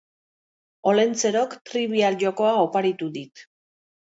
Olentzerok Trivial jokoa oparitu dit.